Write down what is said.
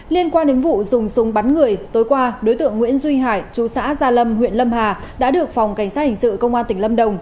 liên quan đến vụ dùng súng bắn người tối qua đối tượng nguyễn duy hải chú xã gia lâm huyện lâm hà đã được phòng cảnh sát hình sự công an tỉnh lâm đồng